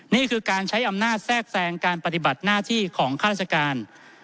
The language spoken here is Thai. นี่คือการใช้อำนาจแทรกแทรงการปฏิบัติหน้าที่ของข้าราชการ